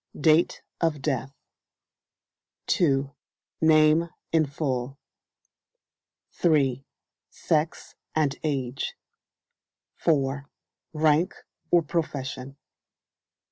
Date of Death. 2. Name in full. 3. Sex and age. 4. Rank or profession.